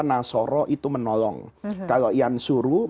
nasoro itu menolong kalau iyan suru